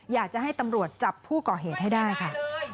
อยากจะให้ตำรวจจับผู้ก่อเหตุให้ได้ค่ะ